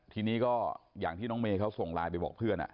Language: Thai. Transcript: ทีนี้ก็อย่างที่น้องเมย์เขาส่งไลน์ไปบอกเพื่อน